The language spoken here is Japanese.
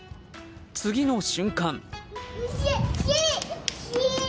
次の瞬間。